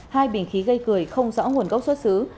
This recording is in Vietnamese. hai bình khí gây cười không rõ nguồn gốc xuất xứ